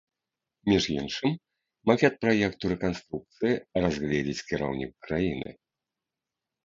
Між іншым, макет праекту рэканструкцыі разгледзіць кіраўнік краіны.